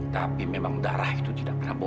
tapi memang darah itu tidak pernah